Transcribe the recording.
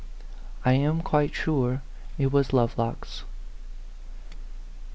I am quite sure it was Lovelock's.